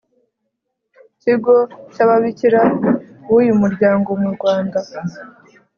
Kigo cy Ababikira b uyu Muryango mu Rwanda